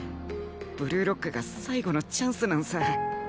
ブルーロックが最後のチャンスなんさあ。